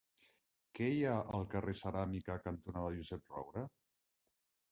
Què hi ha al carrer Ceràmica cantonada Josep Roura?